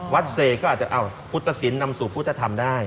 วัดเศกก็อาจพุทธสินนำสู่พุทธธรรมได้